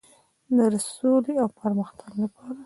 د سولې او پرمختګ لپاره.